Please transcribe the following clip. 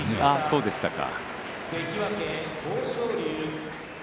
そうでしたか。